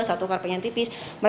satu dengan lantai yang tipis